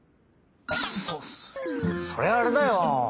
そそれはあれだよ！